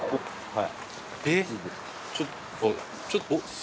はい。